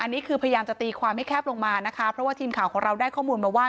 อันนี้คือพยายามจะตีความให้แคบลงมานะคะเพราะว่าทีมข่าวของเราได้ข้อมูลมาว่า